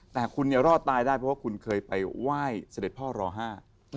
แต่คุณเนี่ยรอดตายได้เพราะว่าคุณเคยไปไหว้เสด็จพ่อรอห้า